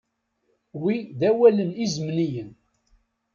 Wi d awalen izemniyen.